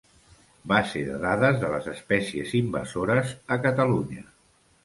Base de dades de les espècies invasores a Catalunya.